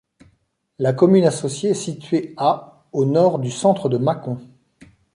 La commune associée est située à au nord du centre de Mâcon.